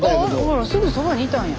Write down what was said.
ほらすぐそばにいたんや。